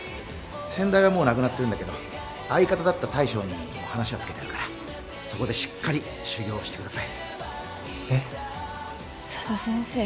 先代はもう亡くなってるんだけど相方だった大将にもう話はつけてあるからそこでしっかり修業してくださいえっ佐田先生